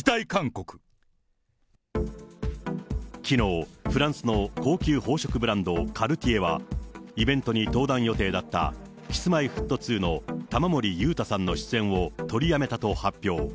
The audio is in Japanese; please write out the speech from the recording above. きのう、フランスの高級宝飾ブランド、カルティエは、イベントに登壇予定だったＫｉｓ−Ｍｙ−Ｆｔ２の玉森裕太さんの出演を取りやめたと発表。